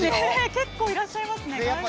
結構いらっしゃいますね。